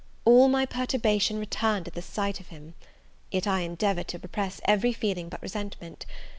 All my perturbation returned at the sight of him! yet I endeavoured to repress every feeling but resentment.